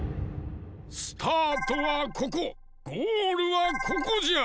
スタートはここゴールはここじゃ！